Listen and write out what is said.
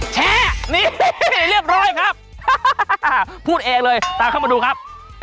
แชะนี่เรียบร้อยครับพูดเองเลยตามเข้ามาดูครับ